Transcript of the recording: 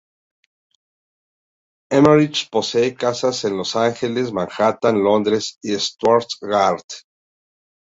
Emmerich posee casas en Los Ángeles, Manhattan, Londres y Stuttgart.